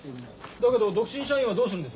だけど独身社員はどうするんです？